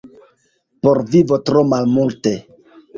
Por vivo tro malmulte.